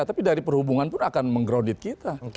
tapi dari perhubungan pun akan meng ground it kita